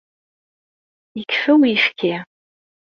Yekfa uyefki.